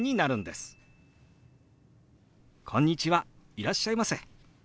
いらっしゃいませ」。